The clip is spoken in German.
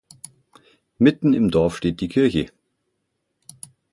Mitten im Dorf steht die Kirche.